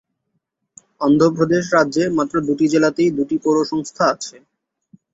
অন্ধ্রপ্রদেশ রাজ্যে মাত্র দুটি জেলাতেই দুটি পৌরসংস্থা আছে।